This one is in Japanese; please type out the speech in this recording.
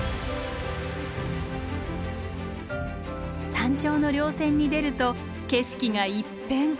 山頂の稜線に出ると景色が一変。